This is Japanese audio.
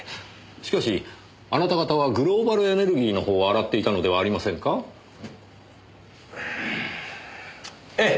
しかしあなた方はグローバルエネルギーの方を洗っていたのではありませんか？ええ。